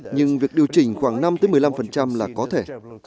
nhưng việc điều chỉnh khoảng năm một mươi năm là có thể